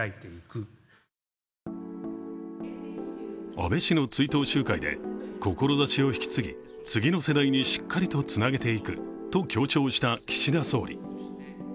安倍氏の追悼集会で、志を引き継ぎ、次の世代にしっかりとつなげていくと強調した岸田総理。